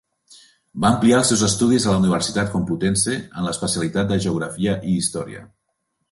Va ampliar els seus estudis a la Universitat Complutense, en l'especialitat de Geografia i Història.